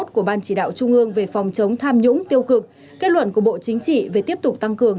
của ban chỉ đạo trung ương về phòng chống tham nhũng tiêu cực kết luận của bộ chính trị về tiếp tục tăng cường